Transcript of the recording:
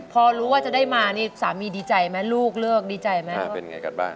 พอรู้ว่าจะได้มานี่สามีดีใจไหมลูกเลิกดีใจไหมเออเป็นไงกันบ้าง